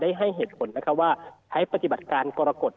ให้เหตุผลว่าใช้ปฏิบัติการกรกฎ